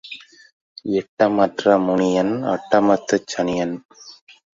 இட்டம் அற்ற முனியன், அட்டமத்துச் சனியன்.